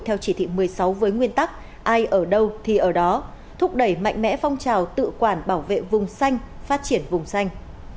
theo chỉ thị một mươi sáu với nguyên tắc ai ở đâu thì ở đó thúc đẩy mạnh mẽ phong trào tự quản bảo vệ vùng xanh phát triển vùng xanh